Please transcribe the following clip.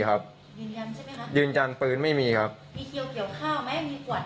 แค่คากานไม่ได้